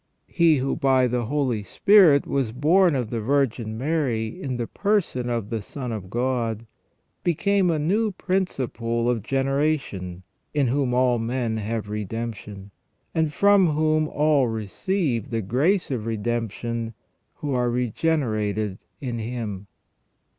He who by the Holy Spirit was born of the Virgin Mary in the person of the Son of God, became a new principle of generation, in whom all men have redemption, and from whom all receive the grace of redemption who are regenerated in Him.